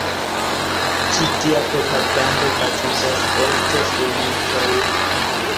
Ĉi tia propagando baziĝas ofte sur mitoj.